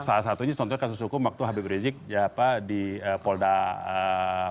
salah satunya contohnya kasus hukum waktu habib rizik diberikan ke tempat lainnya